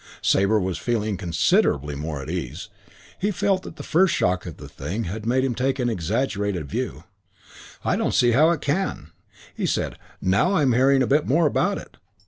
Sabre was feeling considerably more at ease. He felt that the first shock of the thing had made him take an exaggerated view. "I don't see how it can," he said, "now I'm hearing a bit more about it.